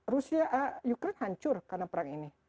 rusia ukraine hancur karena perang ini